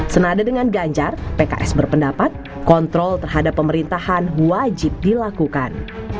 senada dengan ganjar pks berpendapat kontrol terhadap pemerintahan wajib dilakukan